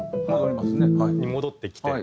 戻ってきて。